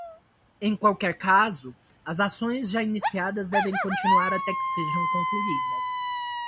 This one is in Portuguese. Em qualquer caso, as ações já iniciadas devem continuar até que sejam concluídas.